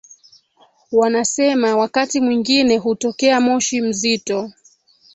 Wanasema wakati mwingine hutokea moshi mzito